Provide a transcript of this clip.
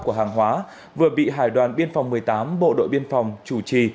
của hàng hóa vừa bị hải đoàn biên phòng một mươi tám bộ đội biên phòng chủ trì